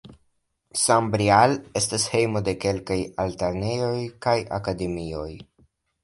Sambrial estas hejmo de kelkaj altlernejoj kaj akademioj.